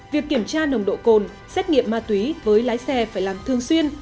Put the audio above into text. việc kiểm tra nồng độ cồn xét nghiệm ma túy với lái xe phải làm thường xuyên